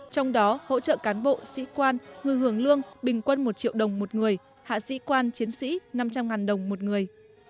trong đó hỗ trợ cán bộ sĩ quan người hưởng lương bình quân một triệu đồng một người hạ sĩ quan chiến sĩ năm trăm linh đồng một người